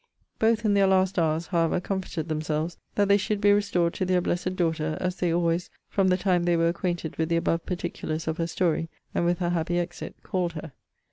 Both, in their last hours, however, comforted themselves, that they should be restored to their BLESSED daughter, as they always (from the time they were acquainted with the above particulars of her story, and with her happy exit) called her.